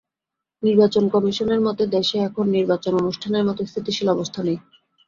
নির্বাচন কমিশনের মতে, দেশে এখন নির্বাচন অনুষ্ঠানের মতো স্থিতিশীল অবস্থা নেই।